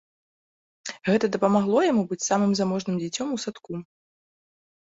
Гэта дапамагло яму быць самым заможным дзіцём у садку.